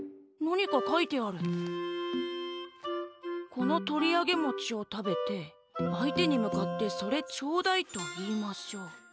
「この『とりあげもち』を食べて、相手にむかって『それ、ちょうだい』と言いましょう」。